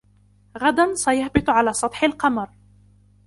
غداً سيهبط على سطح القمر.